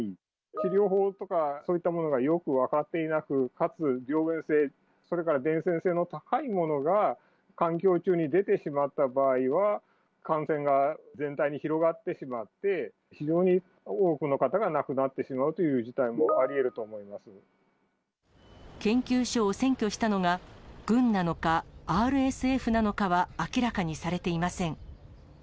治療法とか、そういったものがよく分かっていなく、かつ病原性、それから伝染性の高いものが、環境中に出てしまった場合は、感染が全体に広がってしまって、非常に多くの方が亡くなってしまうという事態もありえると思いま研究所を占拠したのが、軍なのか、ＲＳＦなのかは明らかにされていません。